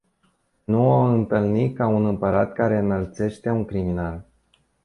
Nu o intalni ca un Imparat care intalneste un criminal.